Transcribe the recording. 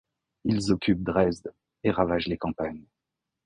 Ils occupent Dresde et ravagent les campagnes.